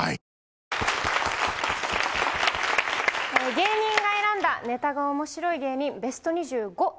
芸人が選んだネタが面白い芸人ベスト２５。